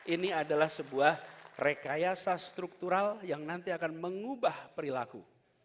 ini adalah sebuah rekayasa struktural yang nanti akan mengubah perilaku